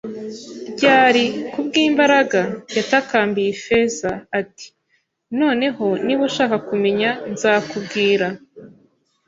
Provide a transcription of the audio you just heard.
“Ryari! Ku bw'imbaraga! ” Yatakambiye Ifeza. Ati: “Noneho, niba ushaka kumenya, nzakubwira